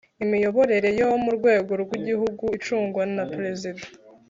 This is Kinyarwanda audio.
Imiyoborere yo murwego rw ‘igihugu icungwa na perezida.